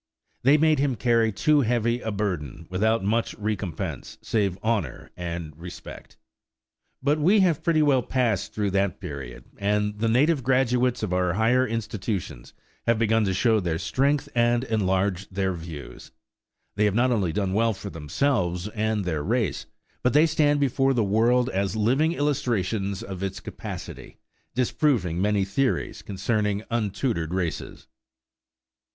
They made him carry too heavy a burden, without much recompense save honor and respect. But we have pretty well passed through that period, and the native graduates of our higher institutions have begun to show their strength and enlarge their views. They have not only done well for themselves and their race, but they stand before the world as living illustrations of its capacity, disproving many theories concerning untutored races.